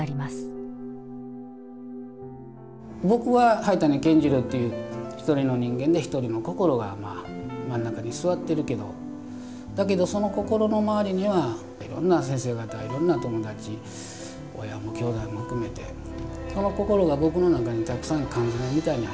僕は灰谷健次郎という一人の人間で一人の心が真ん中に座ってるけどだけどその心の周りにはいろんな先生方いろんな友達親も兄弟も含めてその心が僕の中にたくさん缶詰みたいに入っててね